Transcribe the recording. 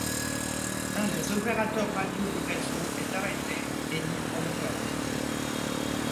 Un des opérateurs radio du réseau est arrêté et livre le code.